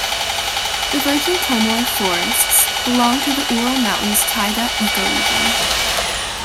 The Virgin Komi Forests belong to the Ural Mountains taiga ecoregion.